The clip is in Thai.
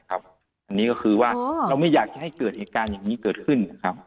อันนี้ก็คือว่าเราไม่อยากจะให้เกิดเหตุการณ์อย่างนี้เกิดขึ้นนะครับ